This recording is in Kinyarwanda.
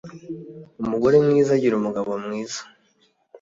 umugore mwiza agira umugabo mwiza.